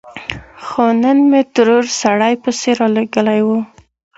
خو نن مې ترور سړی پسې رالېږلی و.